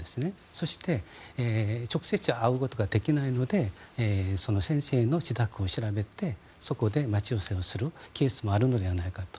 そして直接会うことができないので先生の自宅を調べてそこで待ち伏せをするケースもあるのではないかと。